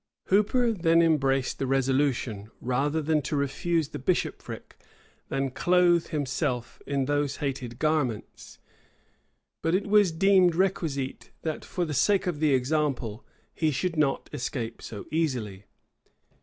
Hooper then embraced the resolution, rather to refuse the bishopric than clothe himself in those hated garments; but it was deemed requisite that, for the sake of the example, he should not escape so easily.